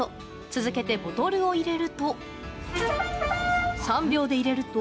続けてボトルを入れると。